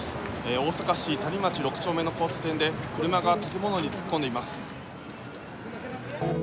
大阪市谷町６丁目の交差点で、車が建物に突っ込んでいます。